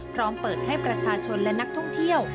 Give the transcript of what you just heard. พร้อมเปิดให้ประชาชนและนักท่องเที่ยว